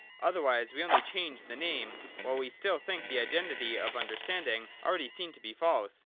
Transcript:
Otherwise we only change the name, while we still think the identity (of understanding) already seen to be false.